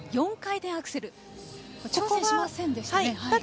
４回転アクセルには挑戦しませんでしたね。